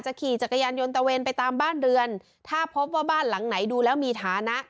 ขี่จักรยานยนตะเวนไปตามบ้านเรือนถ้าพบว่าบ้านหลังไหนดูแล้วมีฐานะ